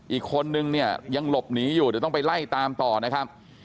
อีกคนนึงเนี่ยยังหลบหนีอยู่เดี๋ยวต้องไปไล่ตามต่อนะครับ